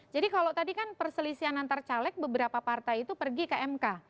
jadi kalau tadi kan perselisian antar caleg beberapa partai itu pergi ke mk